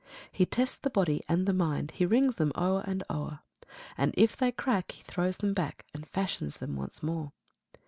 7. He tests the body and the mind, He rings them o'er and o'er; And if they crack, He throws them back, And fashions them once more.